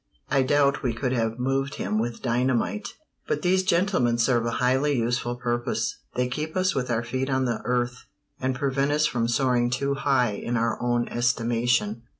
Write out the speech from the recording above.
I doubt we could have moved him with dynamite. But these gentlemen serve a highly useful purpose. They keep us with our feet on the earth, and prevent us from soaring too high in our own estimation.